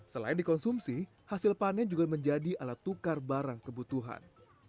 selain dikonsumsi hasil panen juga menjadi alat tukar barang kebutuhan